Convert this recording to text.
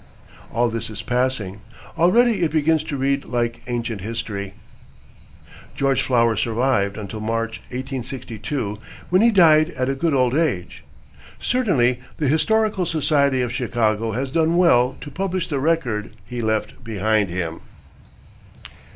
All this is passing. Already it begins to read like ancient history. George Flower survived until March, 1862, when he died at a good old age. Certainly the Historical Society of Chicago has done well to publish the record he left behind him.